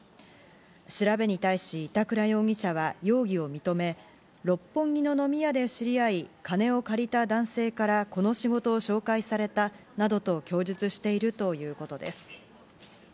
調べに対し板倉容疑者は容疑を認め、六本木の飲み屋で知り合い、金を借りた男性からこの仕事を紹介されたなどと供述しているということです。